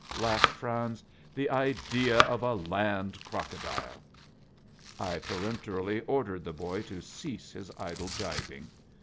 " laughed Franz, " the idea of a land crocodile !" I peremptorily ordered the boy to cease his idle gibing.